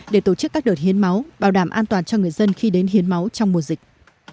để tổ chức các đợt hiến máu bảo đảm an toàn cho người dân khi đến hiến máu trong mùa dịch